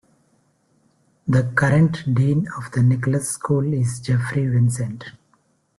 The current dean of the Nicholas School is Jeffrey Vincent.